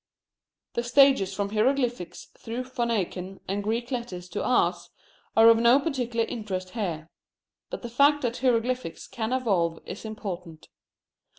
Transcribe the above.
The stages from hieroglyphics through Phoenician and Greek letters to ours, are of no particular interest here. But the fact that hieroglyphics can evolve is important.